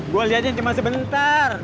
gua liatin cuma sebentar